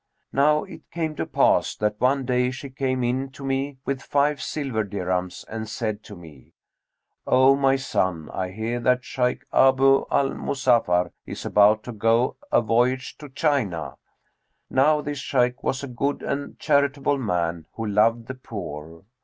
Now it came to pass that one day she came in to me with five silver dirhams, and said to me, 'O my son, I hear that Shaykh Abъ al Muzaffar[FN#231] is about to go a voyage to China.' (Now this Shaykh was a good and charitable man who loved the poor.)